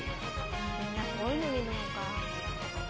みんなこういうの見るのか。